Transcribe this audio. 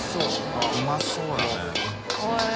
あっうまそうだね。